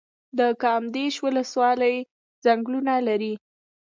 د کامدیش ولسوالۍ ځنګلونه لري